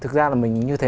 thực ra là mình như thế